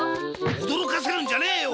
驚かせるんじゃねえよ！